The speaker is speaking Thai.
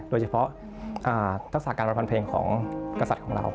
โดยเฉพาะตักษาการประพันธ์เพลงของกษัตริย์ของเรา